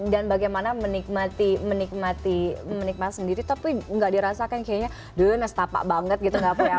dan bagaimana menikmati menikmati menikmati sendiri tapi gak dirasakan kayaknya duh nastapak banget gitu gak punya apa apa sama kan ya